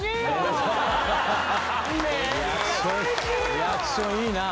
リアクションいいなぁ。